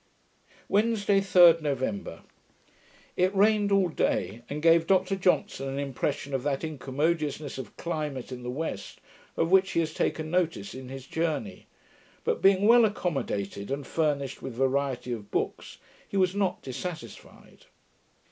Wednesday, 3d November It rained all day, and gave Dr Johnson an impression of that incommodiousness of climate in the west, of which he has taken notice in his Journey; but, being well accommodated, and furnished with variety of books, he was not dissatisfied.